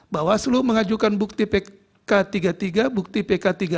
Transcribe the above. bahwa seluruh mengajukan bukti pk tiga puluh tiga bukti pk tiga puluh empat